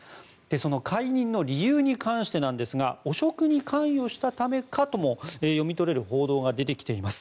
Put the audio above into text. その解任の理由に関してですが汚職に関与したためかとも読み取れる報道が出てきています。